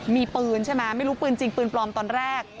มีปืนใช่ไหมไม่รู้ปืนจริงปืนปลอมตอนแรก